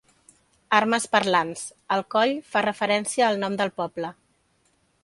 Armes parlants: el coll fa referència al nom del poble.